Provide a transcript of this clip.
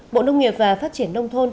bộ nông nghiệp và phát triển nông thôn